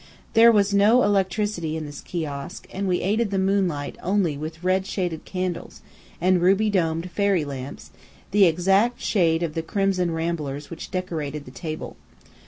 There was no electricity in this kiosk, and we aided the moonlight only with red shaded candles, and ruby domed "fairy lamps," the exact shade of the crimson ramblers which decorated the table.